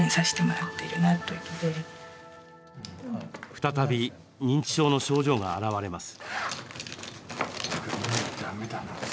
再び、認知症の症状が現れます。